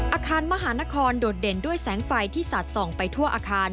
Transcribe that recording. อาคารมหานครโดดเด่นด้วยแสงไฟที่สัดส่องไปทั่วอาคาร